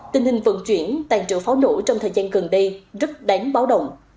tình hình vận chuyển tàn trữ pháo nổ trong thời gian gần đây rất đáng báo động